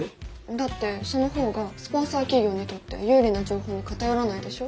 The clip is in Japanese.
だってその方がスポンサー企業にとって有利な情報に偏らないでしょ。